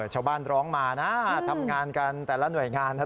ชาวบ้านร้องมานะทำงานกันแต่ละหน่วยงานนะครับ